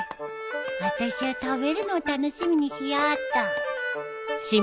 私は食べるのを楽しみにしよっと